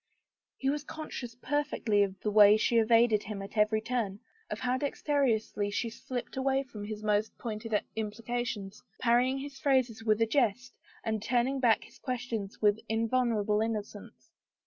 He was conscious perfectly of the way she evaded him at every turn, of how dexterously she slipped away from his most pointed implications, parrying his phrases with a jest and turning back his questions with invulnerable innocence.